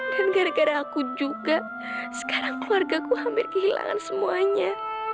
dan gara gara aku juga sekarang keluarga ku hampir kehilangan semuanya